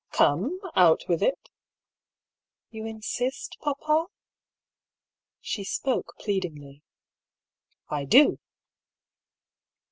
" Come, out with it I "" You insist, papa ?" She spoke pleadingly. « I do."